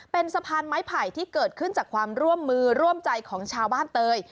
เป็นสะพานไม้ไผ่ที่เกิดขึ้นจากความร่วมมือร่วมใจของชาวบ้านเตย